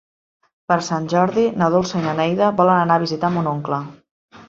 Per Sant Jordi na Dolça i na Neida volen anar a visitar mon oncle.